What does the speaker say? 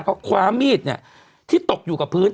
เขาคว้ามีดเนี่ยที่ตกอยู่กับพื้น